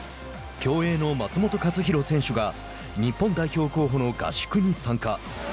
競泳の松元克央選手が日本代表候補の合宿に参加。